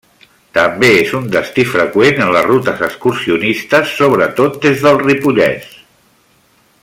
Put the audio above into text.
També és un destí freqüent en les rutes excursionistes, sobretot des del Ripollès.